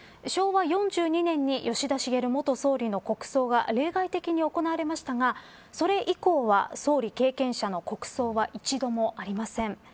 昭和４２年に吉田茂元総理の国葬が例外的に行われましたが、それ以降は総理経験者の国葬は一度もありません。